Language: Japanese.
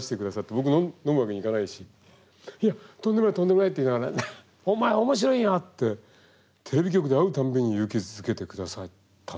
僕飲むわけにいかないし「いやとんでもないとんでもない」って言いながら「お前面白いんや」ってテレビ局で会うたんびに勇気づけてくださった。